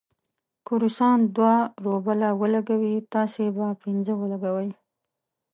که روسان دوه روبله ولګوي، تاسې به پنځه ولګوئ.